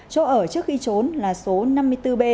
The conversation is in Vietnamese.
chỗ ở trước khi trốn là số năm mươi bốn b